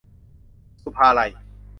ศุภาลัย